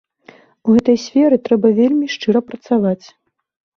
У гэтай сферы трэба вельмі шчыра працаваць.